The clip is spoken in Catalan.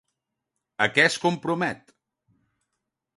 A què es compromet?